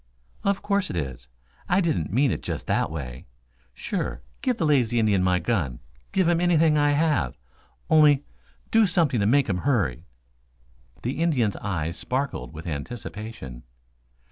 "Of course it is. I didn't mean it just that way. Sure, give the lazy Indian my gun, give him anything I have, only do something to make him hurry." The Indian's eyes sparkled with anticipation.